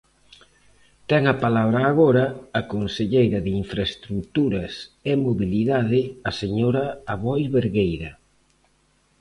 Ten a palabra agora a conselleira de Infraestruturas e Mobilidade, a señora Aboi Bergueira.